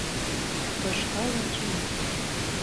Тошкал ончена.